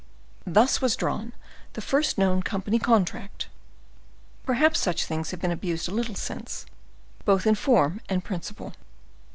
Thus was drawn the first known company contract; perhaps such things have been abused a little since, both in form and principle.